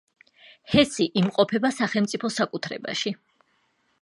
ჰესი იმყოფება სახელმწიფო საკუთრებაში.